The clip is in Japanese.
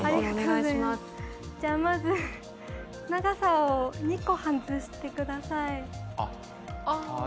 まず、長さを２個外してください。